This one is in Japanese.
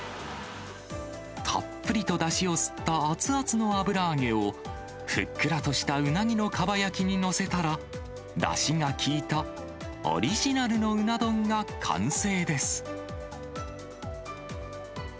たっぷりとだしを吸った熱々の油揚げをふっくらとしたうなぎのかば焼きに載せたら、だしが効いたオリジナルのうな丼が完成です。